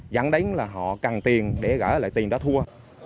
dẫn đến là họ cần tiền để gỡ lại tiền đó thua